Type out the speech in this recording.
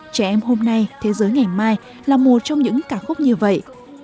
trẻ em hôm nay thế giới ngày mai là một trong những ca khúc như vậy